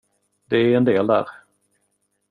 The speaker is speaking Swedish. Det är en del där.